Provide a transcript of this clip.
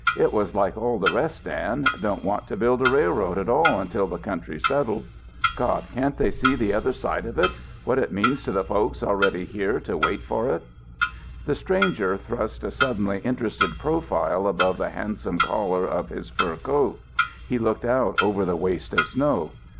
"It was like all the rest, Dan. Don't want to build a railroad at all until the country's settled." "God! Can't they see the other side of it? What it means to the folks already here to wait for it?" The stranger thrust a suddenly interested profile above the handsome collar of his fur coat. He looked out over the waste of snow.